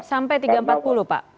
sampai tiga ratus empat puluh pak